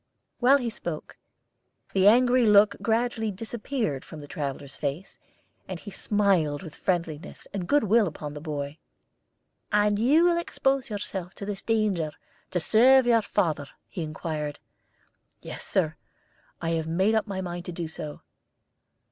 While he spoke, the angry look gradually disappeared from the traveller's face, and he smiled with friendliness and goodwill upon the boy. "And you will expose yourself to this danger to serve your father?" he inquired. "Yes, Sir; I have made up my mind to do so."